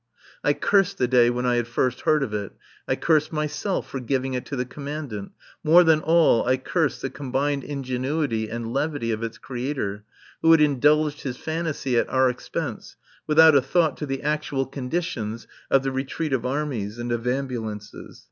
I cursed the day when I had first heard of it; I cursed myself for giving it to the Commandant; more than all I cursed the combined ingenuity and levity of its creator, who had indulged his fantasy at our expense, without a thought to the actual conditions of the retreat of armies and of ambulances.